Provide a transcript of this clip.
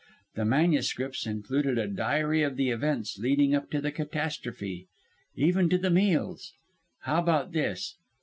The manuscripts included a diary of the events leading up to the catastrophe even to the meals! How about this?